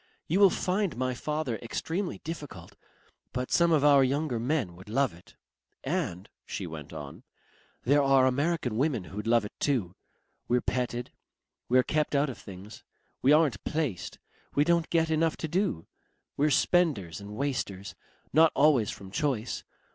You will find my father extremely difficult, but some of our younger men would love it. "And," she went on; "there are American women who'd love it too. We're petted. We're kept out of things. We aren't placed. We don't get enough to do. We're spenders and wasters not always from choice.